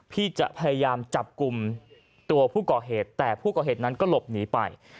ที่จะพยายามจับกลุ่มตัวผู้ก่อเหตุแต่ผู้ก่อเหตุนั้นก็หลบหนีไป